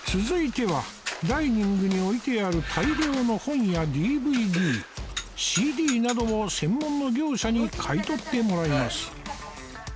続いてはダイニングに置いてある大量の本や ＤＶＤＣＤ などを専門の業者に買い取ってもらいます